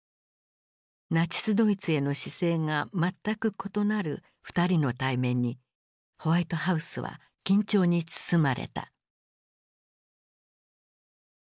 ナチスドイツへの姿勢が全く異なる二人の対面にホワイトハウスは緊張に包まれた。